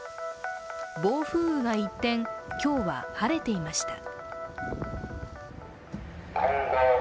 暴風雨が一転今日は晴れていました。